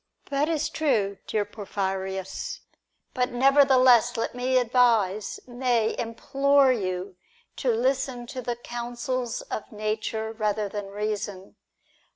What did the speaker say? That is true, dear Porphyrins. But never theless, let me advise, nay implore, you to listen to the counsels of Nature rather than Eeason.